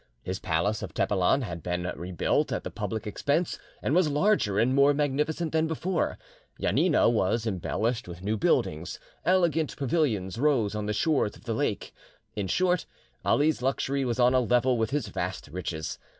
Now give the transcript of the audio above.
His palace of Tepelen had been rebuilt at the public expense, and was larger and more magnificent than before; Janina was embellished with new buildings; elegant pavilions rose on the shores of the lake; in short, Ali's luxury was on a level with his vast riches.